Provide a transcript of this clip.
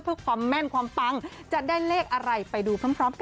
เพื่อความแม่นความปังจะได้เลขอะไรไปดูพร้อมกัน